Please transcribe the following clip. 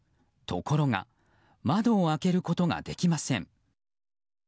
ところが窓を開けることができません。